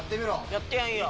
やってやんよ！